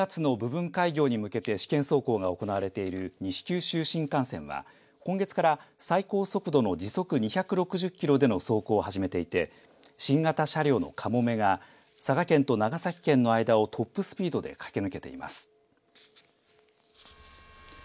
ことし９月の部分開業に向けて試験走行が行われている西九州新幹線は、今月から最高速度の時速２６０キロでの走行を始めていて新型車両のかもめが佐賀県と長崎県の間をトップスピードで駆け抜けています。